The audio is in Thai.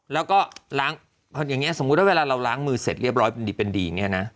แล้วก็ล้างอย่างนี้สมมุติว่าเวลาเราล้างมือเสร็จเรียบร้อยเป็นดีเป็นดีอย่างนี้นะ